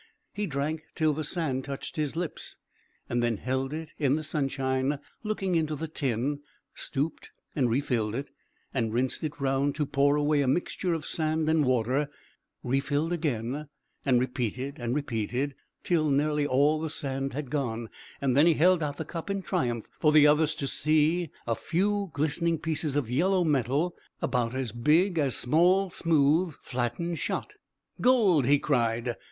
He drank till the sand touched his lips, and then held it in the sunshine, looking into the tin, stooped and refilled it, and rinsed it round, to pour away a mixture of sand and water, refilled again, and repeated and repeated till nearly all the sand had gone; and then he held out the cup in triumph, for the others to see a few glistening pieces of yellow metal about as big as small, smooth, flattened shot. "Gold!" he cried.